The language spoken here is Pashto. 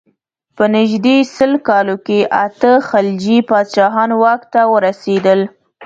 په نژدې سل کالو کې اته خلجي پاچاهان واک ته ورسېدل.